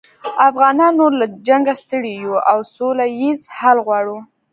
افغانان نور له جنګه ستړي یوو او سوله ییز حل غواړو